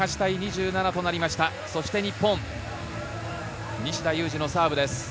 日本・西田有志のサーブです。